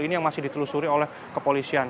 ini yang masih ditelusuri oleh kepolisian